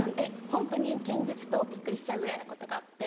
ホントに現実とびっくりしちゃうぐらいのことがあって。